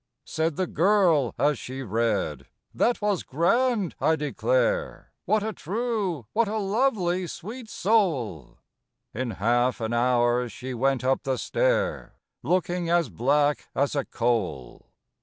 Said the girl as she read, "That was grand, I declare! What a true, what a lovely, sweet soul!" In half an hour she went up the stair, Looking as black as a coal!